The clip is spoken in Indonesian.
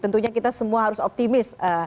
tentunya kita semua harus optimis